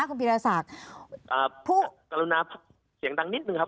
คุณพิราษาอ่าผู้เสียงดังนิดหนึ่งครับ